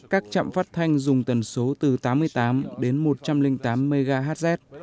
các chạm phát thanh dùng tần số từ tám mươi tám đến một trăm linh tám mhz